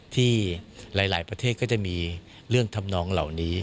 ที่หลายประเทศก็จะมีเรื่องทำนองเหล่านี้